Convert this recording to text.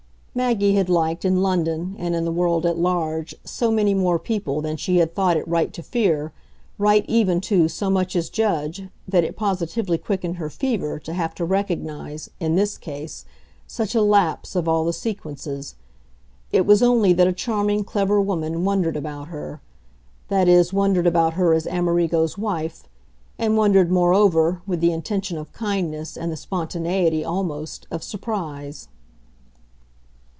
Maggie had liked, in London, and in the world at large, so many more people than she had thought it right to fear, right even to so much as judge, that it positively quickened her fever to have to recognise, in this case, such a lapse of all the sequences. It was only that a charming clever woman wondered about her that is wondered about her as Amerigo's wife, and wondered, moreover, with the intention of kindness and the spontaneity, almost, of surprise.